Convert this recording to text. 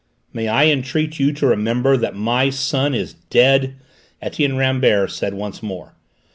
"May I entreat you to remember that my son is dead!" Etienne Rambert said once more.